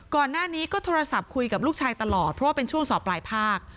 ก่อนหน้านี้ก็โทรศัพท์คุยกับลูกชายตลอดเพราะว่าเป็นช่วงสอบปลายภาค